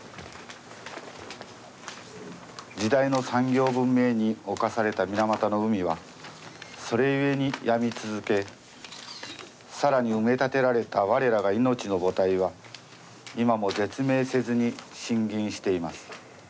「時代の産業文明に犯された水俣の海はそれ故に病み続けさらに埋立てられた我らが命の母体は今も絶命せずに呻吟しています。